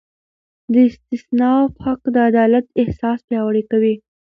د استیناف حق د عدالت احساس پیاوړی کوي.